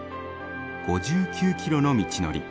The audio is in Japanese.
５９キロの道のり。